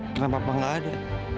kenapa papa gak ada